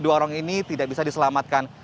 dua orang ini tidak bisa diselamatkan